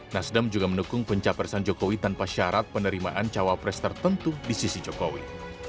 nasdem juga mendukung pencapaian jokowi tanpa syarat penerimaan jawab pres tertentu di sisi jokowi